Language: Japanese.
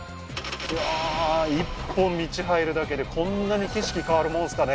うわー一本道入るだけでこんなに景色変わるもんですかね？